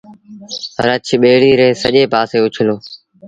رڇ ٻيڙيٚ ري سڄي پآسي اُڇلو